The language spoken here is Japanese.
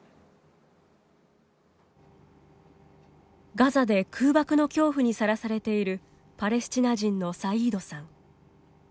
ガザで空爆の恐怖にさらされているパレスチナ人のサイードさん。